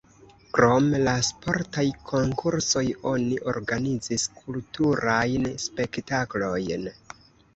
Krom la sportaj konkursoj oni organizis kulturajn spektaklojn.